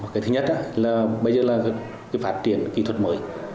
cái thứ nhất là bây giờ là phát triển kỹ thuật mới